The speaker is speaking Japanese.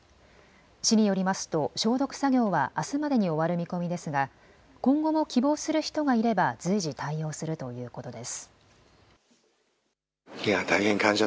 市によりますと消毒作業はあすまでに終わる見込みですが今後も希望する人がいれば随時、対応するということです。